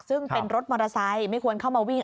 ซึ่งเป็นรถมอเตอร์ไซค์ไม่ควรเข้ามาวิ่ง